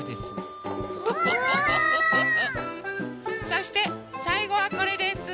そしてさいごはこれです。